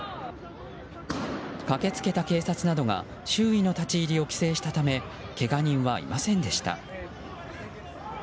駆けつけた警察などが周囲の立ち入りを規制したためけが人はいませんでした。